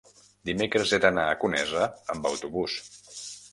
dimecres he d'anar a Conesa amb autobús.